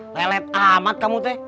lelet amat kamu teh